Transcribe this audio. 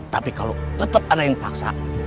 tapi kalau tetap ada yang dipaksa